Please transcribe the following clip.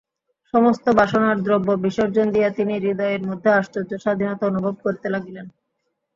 সমস্ত বাসনার দ্রব্য বিসর্জন দিয়া তিনি হৃদয়ের মধ্যে আশ্চর্য স্বাধীনতা অনুভব করিতে লাগিলেন।